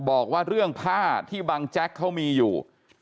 บอกว่าเรื่องผ้าที่บังแจ๊กเขามีอยู่